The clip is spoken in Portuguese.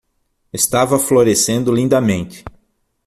Estava florescendo lindamente.